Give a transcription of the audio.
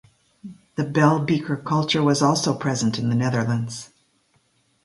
The Bell Beaker culture was also present in the Netherlands.